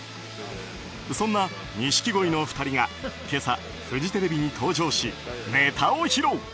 そんな錦鯉の２人が今朝、フジテレビに登場しネタを披露。